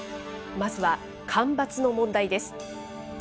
まずは干ばつの問題です。